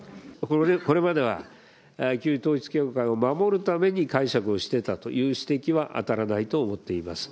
これまでは旧統一教会を守るために解釈をしてたという指摘は当たらないと思っています。